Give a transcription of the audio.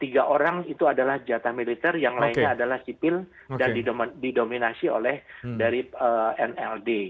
tiga orang itu adalah jatah militer yang lainnya adalah sipil dan didominasi oleh dari nld